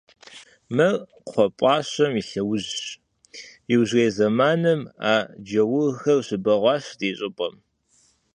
— Мыр кхъуэпӀащэм и лъэужьщ, иужьрей зэманым а джаурхэр щыбэгъуащ ди щӀыпӀэм.